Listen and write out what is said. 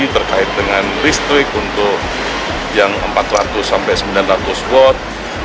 terkait dengan listrik untuk yang empat ratus sampai sembilan ratus watt